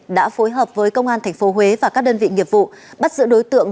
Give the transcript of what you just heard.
đã phối hợp với công an tp huế và các đơn vị nghiệp vụ bắt giữ đối tượng